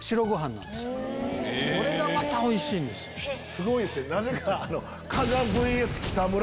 すごいですよなぜか。